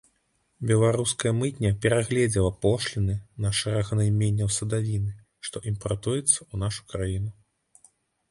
Беларуская мытня перагледзела пошліны на шэраг найменняў садавіны, што імпартуецца ў нашу краіну.